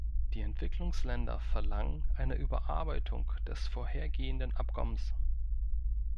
Die Entwicklungsländer verlangen eine Überarbeitung des vorhergehenden Abkommens.